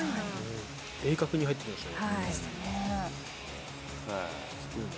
鋭角に入ってきましたね。